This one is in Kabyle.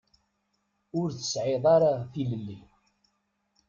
Ur tesɛi ara tilelli.